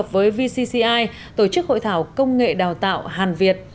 với vcci tổ chức hội thảo công nghệ đào tạo hàn việt